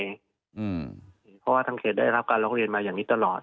เพราะว่าทางเขตได้รับการร้องเรียนมาอย่างนี้ตลอด